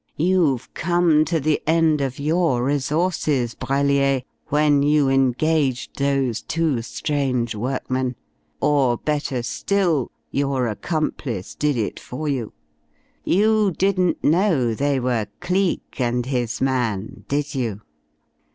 You've come to the end of your resources, Brellier, when you engaged those two strange workmen. Or, better still, your accomplice did it for you. You didn't know they were Cleek and his man, did you?